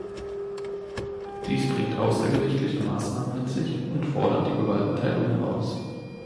Dies bringt außergerichtliche Maßnahmen mit sich und fordert die Gewaltenteilung heraus.